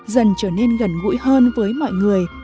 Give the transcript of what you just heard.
dần trở nên gần ngũi hơn với mọi người